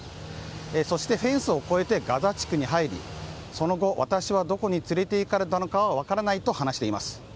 そして、フェンスを越えてガザ地区に入りその後、私はどこに連れていかれたのかは分からないと話しています。